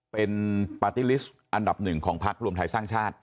เป็นปาร์ตี้ลิสต์อันดับหนึ่งของพักรวมไทยสร้างชาติ